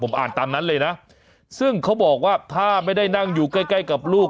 อ่านตามนั้นเลยนะซึ่งเขาบอกว่าถ้าไม่ได้นั่งอยู่ใกล้ใกล้กับลูก